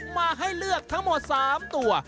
มาให้เลือกทั้งหมด๓ตัว